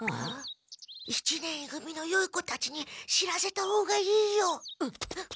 一年い組のよい子たちに知らせた方がいいよ！